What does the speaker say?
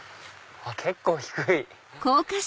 結構低い。